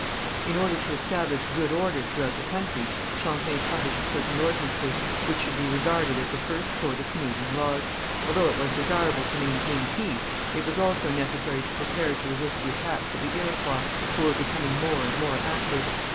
In order to establish good order throughout the country, Champlain published certain ordinances, which should be regarded as the first code of Canadian laws. Although it was desirable to maintain peace, it was also necessary to prepare to resist the attacks of the Iroquois, who were becoming more and more active.